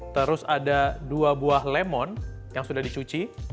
terus ada dua buah lemon yang sudah dicuci